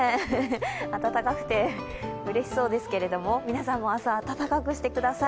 暖かくて、うれしそうですけれども皆さんも明日は温かくしてください。